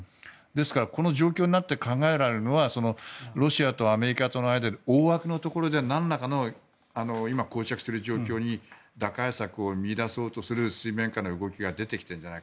ですから、この状況になって考えられるのはロシアとアメリカとの間で大枠のところでなんらかのこう着している状況に打開策を見いだそうとしている水面下の動きが出てきているのではと。